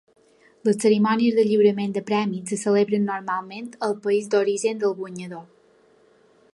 Les cerimònies de lliurament de premis se celebren normalment al país d'origen del guanyador.